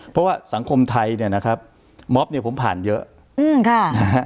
เพราะว่าสังคมไทยเนี่ยนะครับม็อบเนี่ยผมผ่านเยอะอืมค่ะนะฮะ